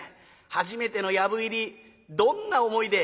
初めての藪入りどんな思いで。